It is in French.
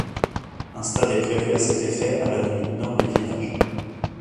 Un stade est prévu à cet effet à la limite nord du village.